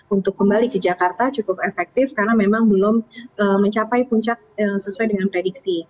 untuk kembali ke jakarta cukup efektif karena memang belum mencapai puncak sesuai dengan prediksi